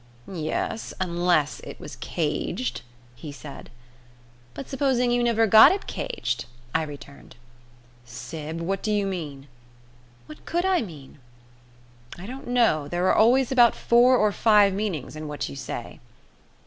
"Yes, unless it was caged," he said. "But supposing you never got it caged," I returned. "Syb, what do you mean?" "What could I mean?" "I don't know. There are always about four or five meanings in what you say."